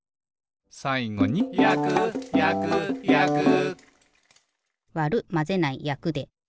さいごに「やくやくやく」わるまぜないやくで。